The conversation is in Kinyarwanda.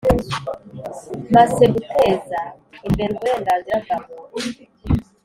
Masseguteza imbere uburenganzira bwa muntu